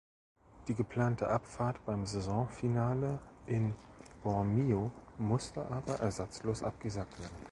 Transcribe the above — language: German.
Die geplante Abfahrt beim Saisonfinale in Bormio musste aber ersatzlos abgesagt werden.